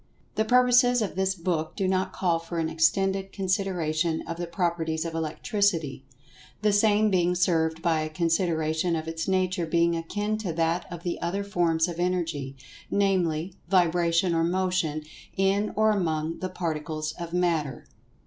The purposes of this book do not call for an extended consideration of the properties of Electricity, the same being served by a consideration of its nature being akin to that of the other forms of Energy, namely, "vibration or motion in or among the Particles of Matter."